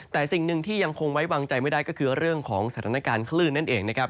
แต่สิ่งหนึ่งที่ยังคงไว้วางใจไม่ได้ก็คือเรื่องของสถานการณ์คลื่น